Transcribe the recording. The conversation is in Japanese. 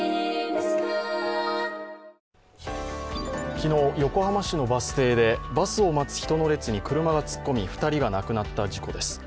昨日、横浜市のバス停でバスを待つ人の列に車が突っ込み２人が亡くなった事故です。